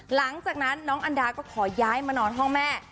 หลังจากนั้นน้องอันดาก็ขอย้ายมานอนห้องแม่